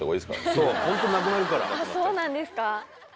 そうなんですか。